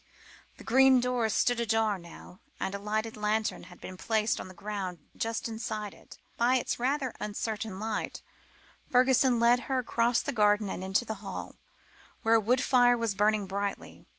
The green door stood ajar now, and a lighted lantern had been placed on the ground just inside it. By its rather uncertain light, Fergusson led her across the garden and into the hall, where a wood fire was burning brightly.